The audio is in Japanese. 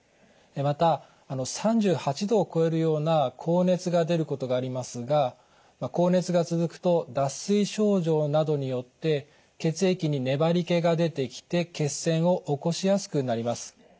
また３８度を超えるような高熱が出ることがありますが高熱が続くと脱水症状などによって血液に粘りけが出てきて血栓を起こしやすくなります。